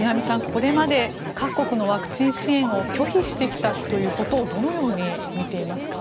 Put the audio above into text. これまで、各国のワクチン支援を拒否してきたということをどのように見ていますか。